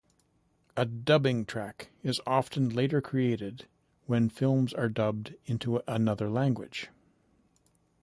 A "dubbing track" is often later created when films are dubbed into another language.